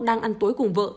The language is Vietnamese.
đang ăn tối cùng vợ